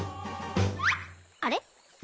あれ？